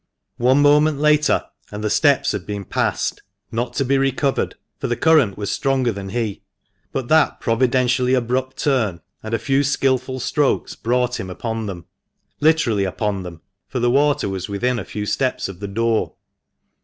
One moment later, and the steps had been passed, not to be recovered, for the current was stronger than he ; but that providentially abrupt turn, and a few skilful strokes brought him upon them. Literally upon them, for the water was within a few steps of the door.